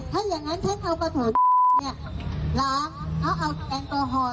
ถ้าอย่างนั้นฉันเอาประโถนี้เนี่ยล้อมเขาเอาแสงตัวฮอล่ะ